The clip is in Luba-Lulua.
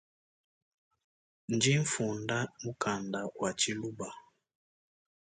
Ndinfunda mukanda wa tshiluba.